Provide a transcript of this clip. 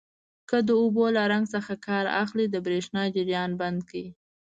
که د اوبو له رنګ څخه کار اخلئ د بریښنا جریان بند کړئ.